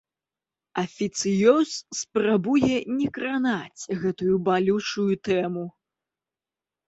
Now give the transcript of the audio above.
Афіцыёз спрабуе не кранаць гэтую балючую тэму.